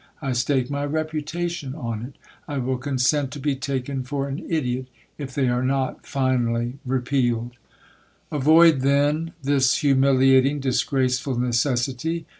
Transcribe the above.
I stake my reputation on it. I will consent to be taken for an ideot, if they are not finally repealed. Avoid, then, this humiliating, disgraceful necessity.